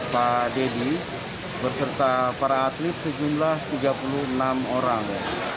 pak deddy berserta para atlet sejumlah tiga puluh enam orang